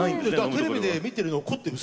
テレビで見てると「怒ってる。